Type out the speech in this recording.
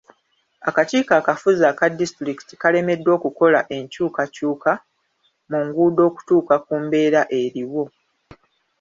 Akakiiko akafuzi aka disitulikiti kalemeddwa okukola ekyukakyuka mu nguudo okutuuka ku mbeera eriwo.